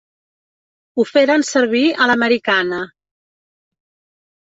Ho feren servir a l'americana.